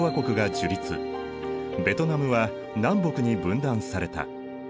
ベトナムは南北に分断された。